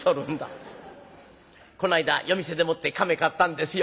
「この間夜店でもって亀買ったんですよ。